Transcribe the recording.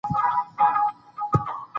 دا جملې د ثبت لپاره خورا ساده او روانې دي.